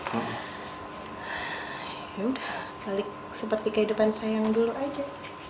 yaudah balik seperti kehidupan saya yang dulu aja